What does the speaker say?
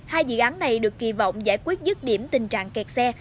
hai dự án này được kỳ vọng giải quyết dứt điểm tình trạng kẹt xe